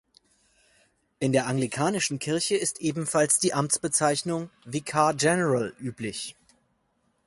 In der Anglikanischen Kirche ist ebenfalls die Amtsbezeichnung "vicar general" üblich.